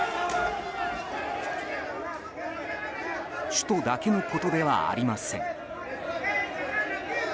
首都だけのことではありません。